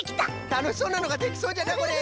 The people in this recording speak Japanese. たのしそうなのができそうじゃなこれ。